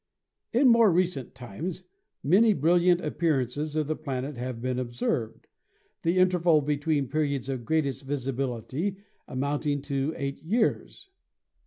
In more recent times many brilliant appearances of the planet have been observed, the interval between periods of greatest visibility amounting to eight years.